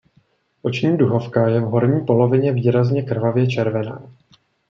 Oční duhovka je v horní polovině výrazně krvavě červená.